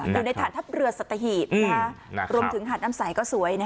อยู่ในฐานทัพเรือสัตเทศิษฐ์นะรวมถึงหาดน้ำใสก็สวยนะ